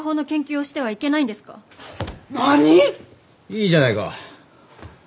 いいじゃないか。